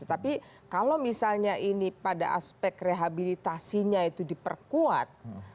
tapi kalau misalnya ini pada aspek rehabilitasinya itu diperkuat